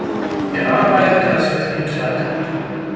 Er arbeitet als Vertriebsleiter.